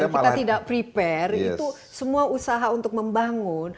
dan kita tidak prepare itu semua usaha untuk membangun